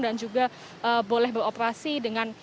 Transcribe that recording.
dan juga boleh beroperasi dengan kesehatan